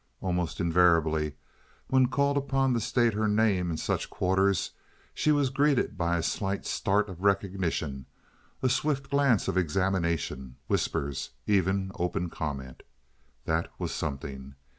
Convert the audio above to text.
Almost invariably, when called upon to state her name in such quarters, she was greeted by a slight start of recognition, a swift glance of examination, whispers, even open comment. That was something.